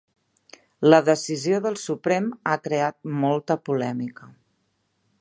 La decisió del Suprem ha creat molta polèmica